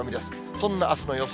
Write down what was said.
そんなあすの予想